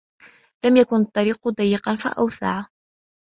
وَلَمْ يَكُنْ الطَّرِيقُ ضَيِّقًا فَأُوَسِّعُ